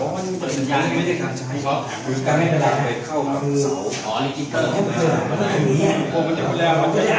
มันไม่ได้แก่ต่อแสว่ามันเป็นทางไม่ได้การใช้